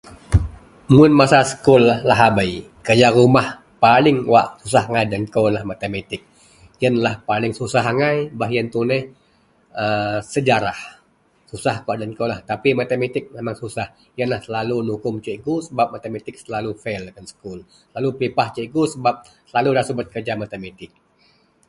mun masa sekul lahabei, kerja rumah paling wak susah agai den kou lah matametik, ienlah paling susah agai, baih ien tuneh a sejarah susah kawa den kou lah tapi matametik memang susah, ienlah selalu nukum cikgu sebab matametik selalu fail sekul, selalu pipah cikgu sebab selalu da subet kerja matametik